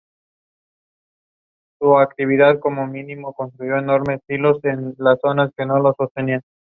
Muchas de las campañas iconoclastas fueron iniciadas desde Gazni a India.